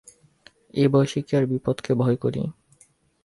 এ বয়সে কি আর বিপদকে ভয় করি!